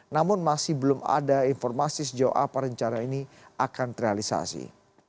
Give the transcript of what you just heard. namun masih belum ada informasi sejauh apa rencana ini akan terrealisasi